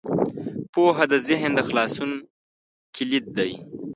پوهه د ذهن د خلاصون کلید دی.